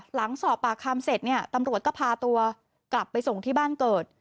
หลังสอบปากคำเสร็จเนี่ยตำรวจก็พาตัวกลับไปส่งที่บ้านเกิด